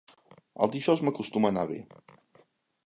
Els dijous m'acostuma a anar bé.